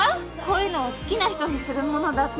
こういうのは好きな人にするものだって。